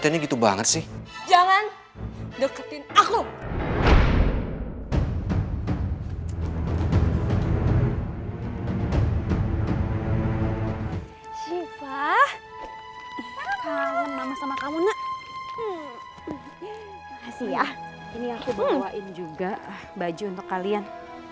ini aku bawain juga baju untuk kalian